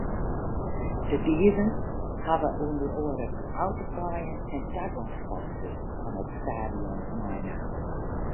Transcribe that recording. De dieven hawwe ûnder oare autokaaien en tagongspaskes fan it stadion meinaam.